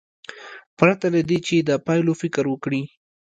پرته له دې چې د پایلو فکر وکړي.